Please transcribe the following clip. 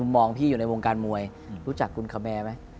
มองพี่อยู่ในวงการมวยรู้จักคุณคาแมร์ไหม